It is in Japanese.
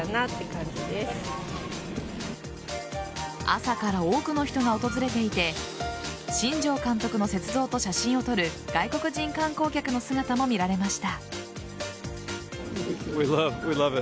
朝から多くの人が訪れていて新庄監督の雪像と写真を撮る外国人観光客の姿も見られました。